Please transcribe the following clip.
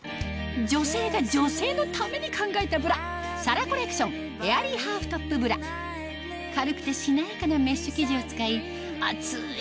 女性が女性のために考えたブラサラコレクションエアリーハーフトップブラ軽くてしなやかなメッシュ生地を使い暑い